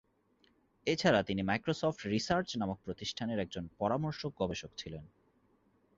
এছাড়া তিনি Microsoft Research নামক প্রতিষ্ঠানের একজন পরামর্শক গবেষক ছিলেন।